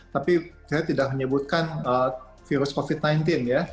tapi saya tidak menyebutkan virus covid sembilan belas ya